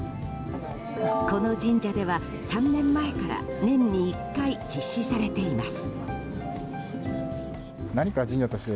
この神社では３年前から年に１回、実施されています。